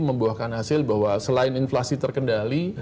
membuahkan hasil bahwa selain inflasi terkendali